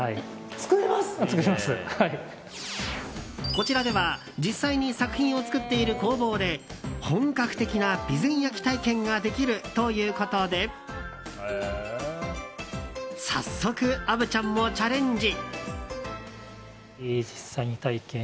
こちらでは実際に作品を作っている工房で本格的な備前焼体験ができるということで早速、虻ちゃんもチャレンジ。